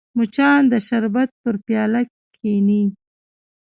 مچان د شربت پر پیاله کښېني